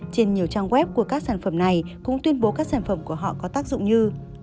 trên nhiều trang web của các sản phẩm này cũng tuyên bố các sản phẩm của họ có tác dụng như